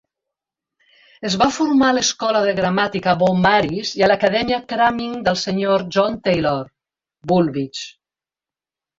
Es va formar a l'Escola de gramàtica Beaumaris i a l'Acadèmia Cramming del Sr. John Taylor, Woolwich.